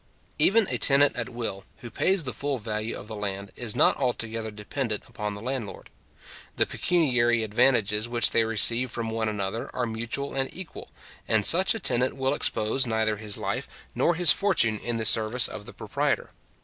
Even a tenant at will, who pays the full value of the land, is not altogether dependent upon the landlord. The pecuniary advantages which they receive from one another are mutual and equal, and such a tenant will expose neither his life nor his fortune in the service of the proprietor.